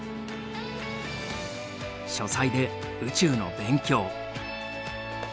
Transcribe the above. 書斎で宇宙の勉強。